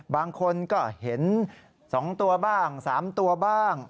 บางคนก็เห็น๒ตัวบ้าง๓ตัวบ้าง